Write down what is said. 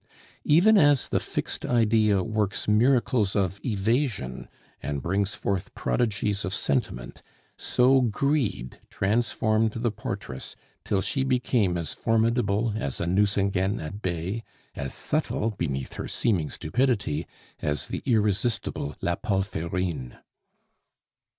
Even as the "fixed idea" works miracles of evasion, and brings forth prodigies of sentiment, so greed transformed the portress till she became as formidable as a Nucingen at bay, as subtle beneath her seeming stupidity as the irresistible La Palferine.